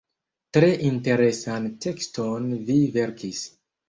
Tre interesan tekston vi verkis.